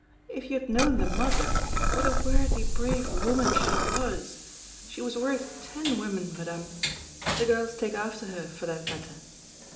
If you had known the mother, what a worthy, brave woman she was! She was worth ten women, Madame. The girls take after her, for that matter."